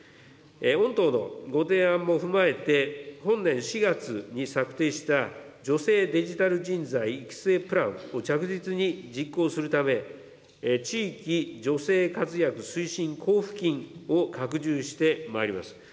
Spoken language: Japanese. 御党のご提案も踏まえて、本年４月に策定した女性デジタル人材育成プランを着実に実行するため、地域女性活躍推進交付金を拡充してまいります。